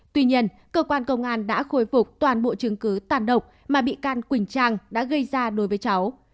tuy nhiên cơ quan công an đã khôi phục toàn bộ chứng cứ tàn độc mà bị can quỳnh trang đã gây ra đối với cháu